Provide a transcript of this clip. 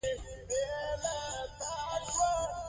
جراحي خپل خطرونه لري.